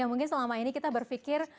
mungkin selama ini kita berpikir